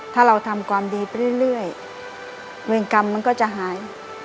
ถ้าเราทำความดีไปเรื่อยเวรกรรมมันก็จะหาย